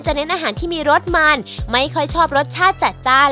เน้นอาหารที่มีรสมันไม่ค่อยชอบรสชาติจัดจ้าน